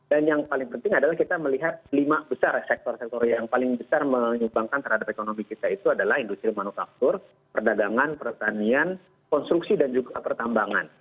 dan yang paling penting adalah kita melihat lima besar sektor sektor yang paling besar menyumbangkan terhadap ekonomi kita itu adalah industri manufaktur perdagangan pertanian konstruksi dan juga pertambangan